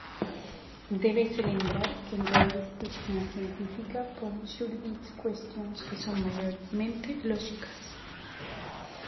Débese lembrar que en toda disciplina científica poden xurdir cuestións que son maiormente lóxicas.